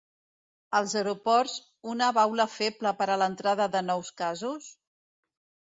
Els aeroports, una baula feble per a l’entrada de nous casos?